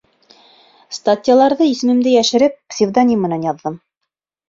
Статьяларҙы исемемде йәшереп, псевдоним менән яҙҙым.